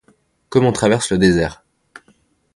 Comme on traverse le désert.